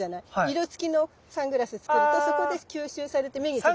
色つきのサングラス着けるとそこで吸収されて目に届かない。